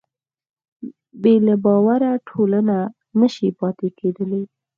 بې له باور ټولنه نهشي پاتې کېدی.